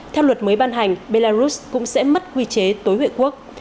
theo luật mới ban hành belarus cũng sẽ mất quy chế tối hội quốc